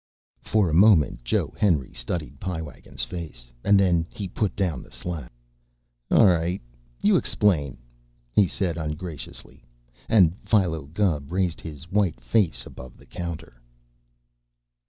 For a moment Joe Henry studied Pie Wagon's face, and then he put down the slab. "All right, you explain," he said ungraciously, and Philo Gubb raised his white face above the counter.